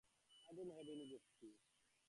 ওকে, আমাদের একটা plan B দরকার।